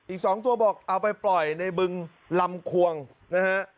อีก๒ตัวบอกเอาไปปล่อยในบึงลำควงนะฮะ